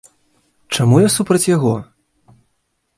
Чаму я супраць яго?